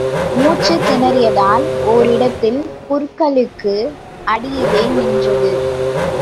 மூச்சுத் திணறியதால் ஓரிடத்தில், புற்களுக்கு அடியிலே நின்றது.